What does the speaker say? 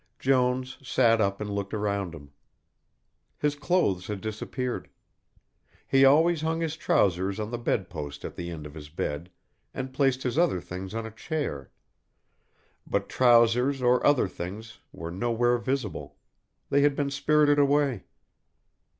Jones sat up and looked around him. His clothes had disappeared. He always hung his trousers on the bed post at the end of his bed and placed his other things on a chair, but trousers or other things were nowhere visible, they had been spirited away.